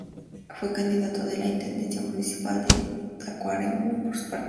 Fue candidato a la Intendencia Municipal de Tacuarembó por su partido.